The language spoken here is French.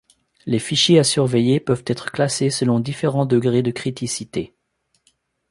Les fichiers à surveiller peuvent être classés selon différents degrés de criticité.